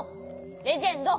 レジェンド。